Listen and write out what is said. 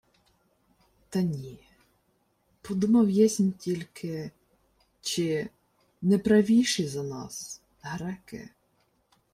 — Та ні... Подумав єсмь тільки, чи... не правійші за нас... греки.